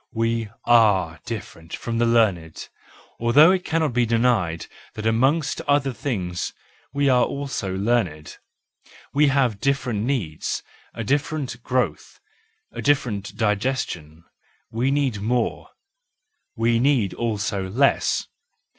We are different from the learned; although it cannot be denied that amongst other things we are also learned. We have different needs, a different growth, a different digestion: we need more, we need also less.